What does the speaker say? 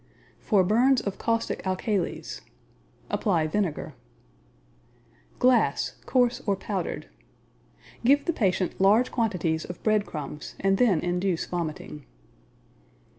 For Burns of Caustic Alkalies Apply vinegar. Glass, coarse or Give the patient large quantities of bread powdered crumbs, and then induce vomiting.